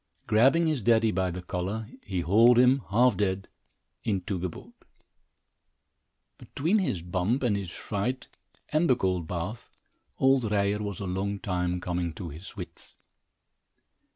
Grabbing his daddy by the collar, he hauled him, half dead, into the boat. Between his bump and his fright, and the cold bath, old Ryer was a long time coming to his wits.